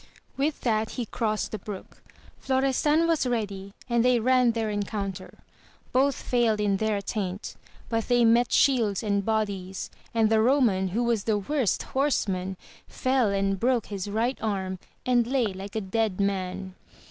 "With that he crossed the brook; Florestan was ready and they ran their encounter ; both failed in their attaint, but they met shields and bodies, and the Eoman, who was the worst horseman, fell and broke his right arm, and lay like a dead man.